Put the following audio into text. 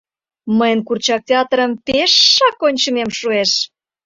— Мыйын курчак театрым пеш-ш-ш-ак ончымем шуэш!